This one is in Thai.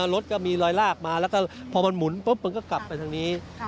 รถก็มีลอยลากมาแล้วพอมันหมุนก็กลับไปทางนี้